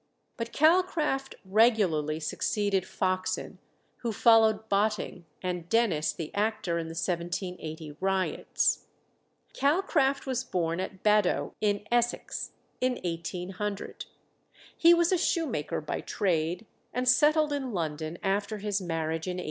But Calcraft regularly succeeded Foxen, who followed Botting, and Dennis, the actor in the 1780 riots. Calcraft was born at Baddow, in Essex, in 1800; he was a shoemaker by trade, and settled in London after his marriage in 1825.